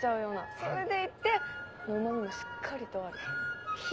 それでいてうま味もしっかりとある。